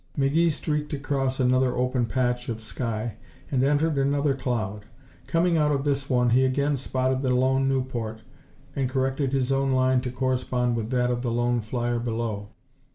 McGee streaked across another open patch of sky and entered another cloud. Coming out of this one he again spotted the lone Nieuport and corrected his own line to correspond with that of the lone flyer below.